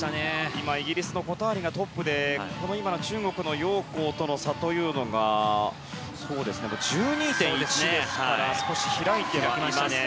今、イギリスのコタールがトップで中国のヨウ・コウとの差は１２．１ですから少し開いています。